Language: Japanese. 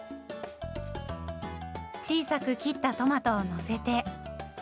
小さく切ったトマトをのせて。